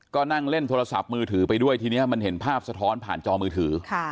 ก็นั่งเล่นโทรศัพท์มือถือไปด้วยทีนี้มันเห็นภาพสะท้อนผ่านจอมือถือ